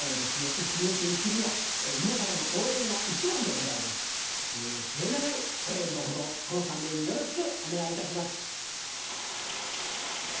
生き抜いていくには皆さまの応援が一番でございまして末永い応援のほどこの３名によろしくお願いいたします。